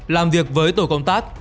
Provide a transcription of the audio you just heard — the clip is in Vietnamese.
làm việc với tổ công tác